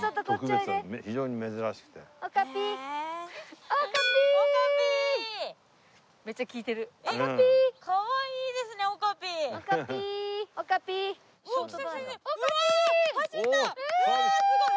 うわあすごい！